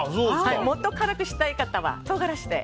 もっと辛くしたい方は唐辛子で。